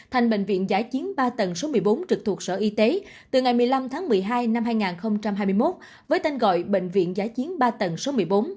thành bệnh viện giã chiến ba tầng số một mươi bốn trực thuộc sở y tế từ ngày một mươi năm tháng một mươi hai năm hai nghìn hai mươi một với tên gọi bệnh viện giã chiến ba tầng số một mươi bốn